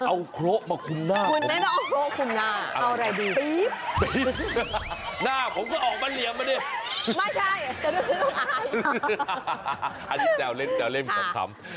อ่าอันนี้แจ้วเล่นแจ้วเล่นของคำ